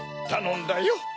たのんだよ。